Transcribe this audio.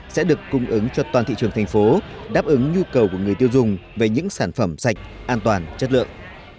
sẽ được cung ứng cho toàn thị trường thành phố đáp ứng nhu cầu của người tiêu dùng về những sản phẩm sạch an toàn chất lượng